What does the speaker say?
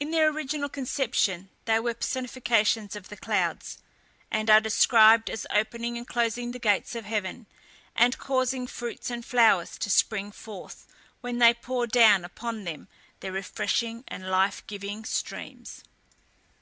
In their original conception they were personifications of the clouds, and are described as opening and closing the gates of heaven, and causing fruits and flowers to spring forth, when they pour down upon them their refreshing and life giving streams.